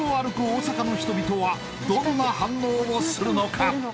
大阪の人々はどんな反応をするのか？